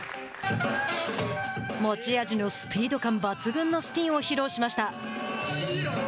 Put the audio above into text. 持ち味のスピード感抜群のスピンを披露しました。